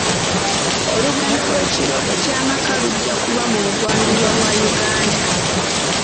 Olugendo lw'ekirooto ky'amaka lujja kuba mu bugwanjuba bwa Uganda.